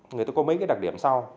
người ta có mấy cái đặc điểm sau